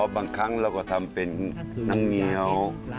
บางครั้งเราก็ทำเป็นน้ำเงี้ยว